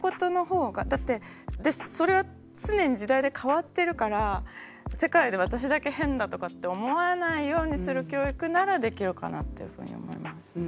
だってそれは常に時代で変わってるから世界で私だけ変だとかって思わないようにする教育ならできるかなっていうふうに思います。